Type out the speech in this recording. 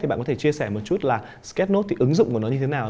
thì bạn có thể chia sẻ một chút là sketch note thì ứng dụng của nó như thế nào